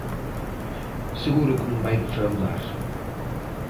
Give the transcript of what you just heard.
Seguro que non vai defraudar.